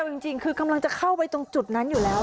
เอาจริงคือกำลังจะเข้าไปตรงจุดนั้นอยู่แล้ว